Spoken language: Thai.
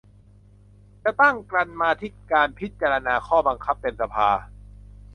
จะตั้งกรรมาธิการพิจารณาข้อบังคับเต็มสภา